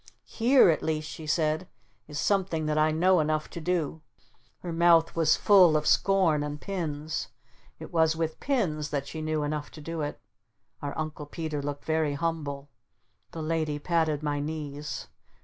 "Here at least," she said, "is something that I know enough to do." Her mouth was full of scorn and pins. It was with pins that she knew enough to do it. Our Uncle Peter looked very humble. The Lady patted my knees.